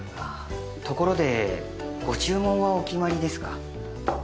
ところでご注文はお決まりですか？